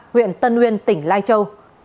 huyện tân nguyên tỉnh lai châu